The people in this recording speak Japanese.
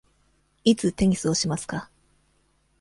いつテニスをしますか。